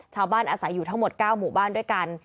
อาศัยอยู่ทั้งหมด๙หมู่บ้านด้วยกัน